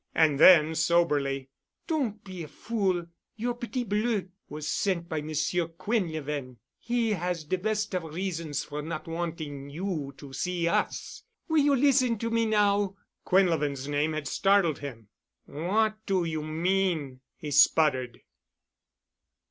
And then, soberly: "Don't be a fool. Your petit bleu was sent by Monsieur Quinlevin. He has the best of reasons for not wanting you to see us. Will you listen to me now?" Quinlevin's name had startled him. "What do you mean?" he sputtered.